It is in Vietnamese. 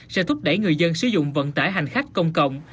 sẽ thúc đẩy người dân sử dụng vận tải hành khách công cộng